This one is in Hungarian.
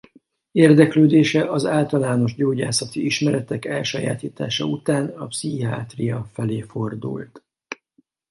Érdeklődése az általános gyógyászati ismeretek elsajátítása után a pszichiátria felé fordult.